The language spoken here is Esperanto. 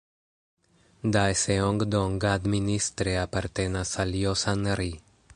Daeseong-dong administre apartenas al Josan-ri.